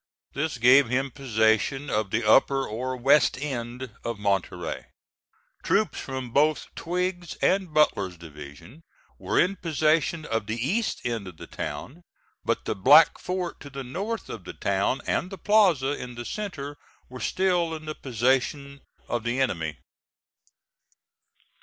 This gave him possession of the upper or west end of Monterey. Troops from both Twiggs's and Butler's divisions were in possession of the east end of the town, but the Black Fort to the north of the town and the plaza in the centre were still in the possession of the enemy.